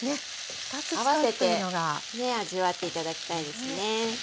合わせて味わって頂きたいですね。